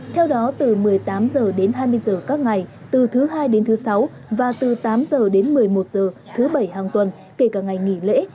theo đó từ một mươi tám h đến hai mươi h các ngày từ thứ hai đến thứ sáu và từ tám h đến một mươi một h thứ bảy hàng tuần kể cả ngày nghỉ lễ